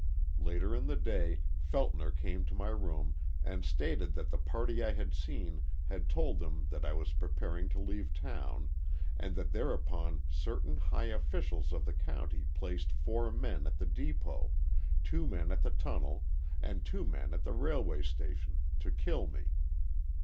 Later in the day Feltner came to my room and stated that the party I had seen had told them that I was preparing to leave town, and that thereupon certain high officials of the county placed four men at the depot, two men at the tunnel and two men at the railway station to kill me.